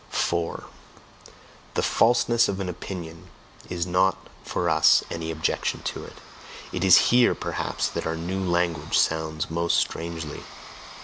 4. The falseness of an opinion is not for us any objection to it: it is here, perhaps, that our new language sounds most strangely.